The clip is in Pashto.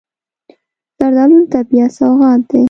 زردالو د طبیعت سوغات دی.